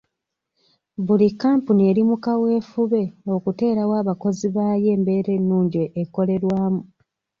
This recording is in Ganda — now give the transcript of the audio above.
Buli kkampuni eri mu kaweefube okuteerawo abakozi baayo embeera ennungi ekolerwamu.